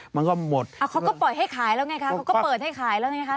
มันก็หมดเขาก็ปล่อยให้ขายแล้วไงคะเขาก็เปิดให้ขายแล้วไงคะ